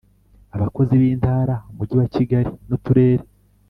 abakozi b i ntara umujyi wa kigali n’ uturere